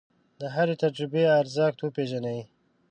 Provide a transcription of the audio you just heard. د هرې تجربې ارزښت وپېژنئ.